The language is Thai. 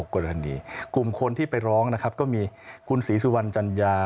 กลุ่มคนที่ไปร้องก็มีคุณศรีสุวรรณจัญญา